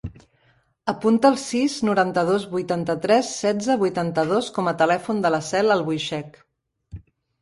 Apunta el sis, noranta-dos, vuitanta-tres, setze, vuitanta-dos com a telèfon de la Cel Albuixech.